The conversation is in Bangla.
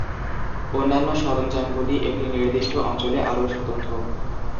অন্যান্য সরঞ্জামগুলি একটি নির্দিষ্ট অঞ্চলে আরও স্বতন্ত্র।